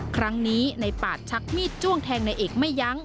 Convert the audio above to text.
ครั้งนี้ในปาดชักมีดจ้วงแทงนายเอกไม่ยั้ง